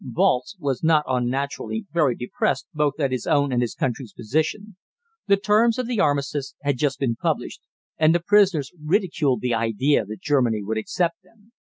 Walz was not unnaturally very depressed both at his own and his country's position. The terms of the Armistice had just been published, and the prisoners ridiculed the idea that Germany would accept them.